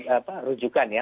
apa rujukan ya